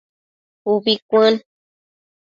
Ubi cuën